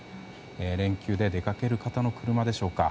連休で出かける方の車でしょうか。